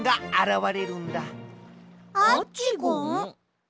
アッチゴン？